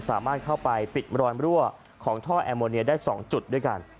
สามารถเข้าไปปิดรอยรั่วของท่อแอร์โมเนียได้๒จุดด้วยกัน